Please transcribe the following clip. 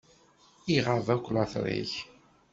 Iɣab akk later-ik.